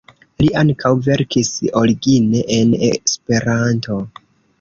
Li ankaŭ verkis origine en Esperanto.